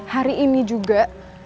hari ini juga